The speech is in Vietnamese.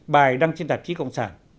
bài đăng trên tạp chí cộng sản